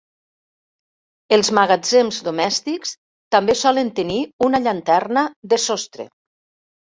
Els magatzems domèstics també solen tenir una llanterna de sostre.